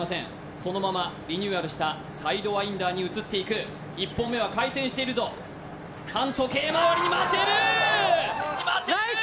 そのままリニューアルしたサイドワインダーに移っていく１本目は回転しているぞ反時計回りに回っているナイス！